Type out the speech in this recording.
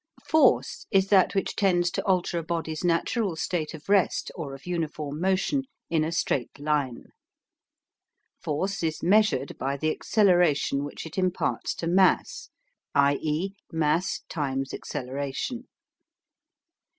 FORCE is that which tends to alter a body's natural state of rest or of uniform motion in a straight line. FORCE is measured by the acceleration which it imparts to mass i. e., mass x acceleration.